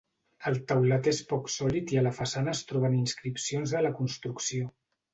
El teulat és poc sòlid i a la façana es troben inscripcions de la construcció.